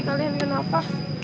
kalian ini kenapa